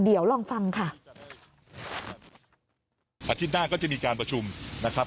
เดี๋ยวลองฟังค่ะอาทิตย์หน้าก็จะมีการประชุมนะครับ